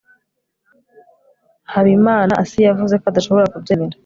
habimanaasi yavuze ko adashobora kubyemera